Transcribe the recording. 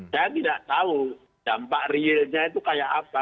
saya tidak tahu dampak realnya itu kayak apa